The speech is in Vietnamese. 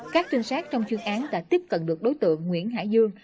các trinh sát trong chuyên án đã tiếp cận được đối tượng nguyễn hải dương